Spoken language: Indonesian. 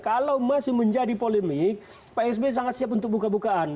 kalau masih menjadi polemik pak sby sangat siap untuk buka bukaan